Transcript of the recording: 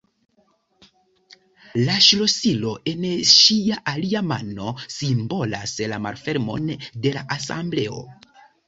La ŝlosilo en ŝia alia mano simbolas la malfermon de la Asembleo.